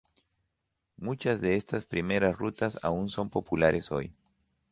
Muchas de estas primeras rutas aún son populares hoy.